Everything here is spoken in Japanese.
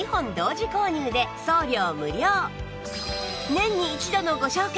年に一度のご紹介！